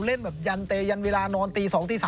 เล่นแบบยันเตยันเวลานอนตี๒ตี๓